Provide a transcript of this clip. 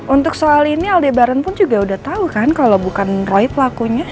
untuk soal ini aldebaran pun juga udah tau kan kalau bukan roy pelakunya